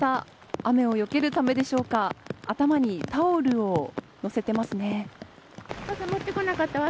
雨をよけるためでしょうか頭にタオルを乗せていますね。